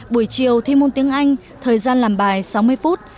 buổi chiều thi môn tiếng anh thời gian làm bài sáu mươi phút